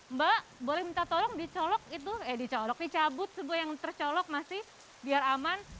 mbak boleh minta tolong dicabut semua yang tercolok masih biar aman